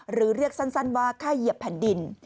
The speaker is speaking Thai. หรือเรียกสั้นว่าค่าเหยียบแผ่นดิน